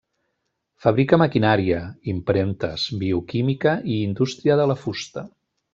Fabrica maquinària, impremtes, bioquímica i indústria de la fusta.